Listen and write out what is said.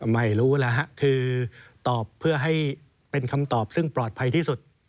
ไม่รู้แล้วฮะคือตอบเพื่อให้เป็นคำตอบซึ่งปลอดภัยที่สุด